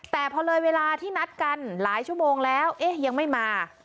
แต่พอเลยเวลาที่นัดกันหลายชั่วโมงแล้วเอ๊ะยังไม่มา